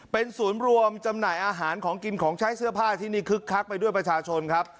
เป็นศูนย์รวมจำหน่ายอาหารของกินของใช้เสื้อผ้าที่นี่คึกคักไปด้วยประชาชนครับ